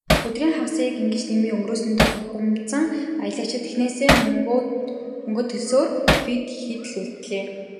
Өдрийн хагасыг ингэж дэмий өнгөрөөсөндөө бухимдсан аялагчид эхнээсээ мөнгөө төлсөөр, бид хэд л үлдлээ.